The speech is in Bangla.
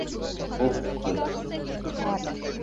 ওহ, খোদা।